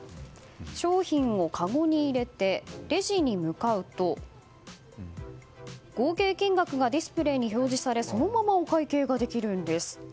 商品をかごに入れてレジに向かうと合計金額がディスプレーに表示されそのままお会計ができるんです。